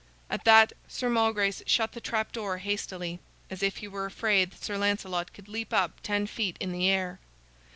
At that Sir Malgrace shut the trapdoor hastily, as if he were afraid that Sir Lancelot could leap up ten feet in the air.